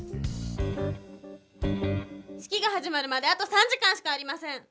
式が始まるまであと３時間しかありません。